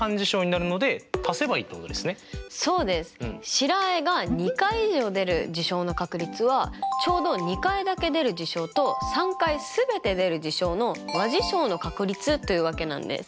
白あえが２回以上出る事象の確率はちょうど２回だけ出る事象と３回全て出る事象の和事象の確率というわけなんです。